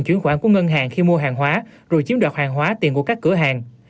chuyển khoản của ngân hàng khi mua hàng hóa rồi chiếm đoạt hàng hóa tiền của các cửa hàng